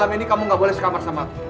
biar gini selamat